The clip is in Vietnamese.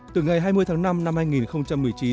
từ ngày hai mươi tháng năm năm hai nghìn một mươi chín